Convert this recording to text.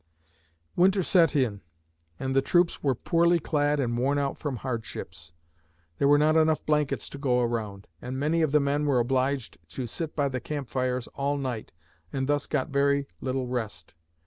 Winter set in, and the troops were poorly clad and worn out from hardships. There were not enough blankets to go around, and many of the men were obliged to sit by the camp fires all night and thus got very little rest.